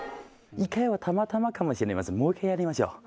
１回はたまたまかもしれませんもう１回やりましょう。